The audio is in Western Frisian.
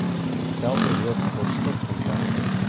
Itselde jildt foar stopkontakten.